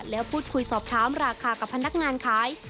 แล้วพูดคุยสอบถามราคากับพนักงานขาย